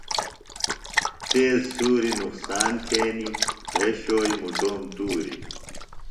تیز سُوری نقصان تھینیۡ، بھیۡشوئی مُٹوم تُوری